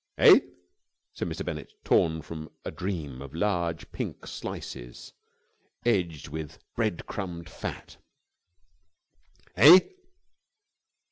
"Eh?" said Mr. Bennett, torn from a dream of large pink slices edged with bread crumbed fat. "Eh?"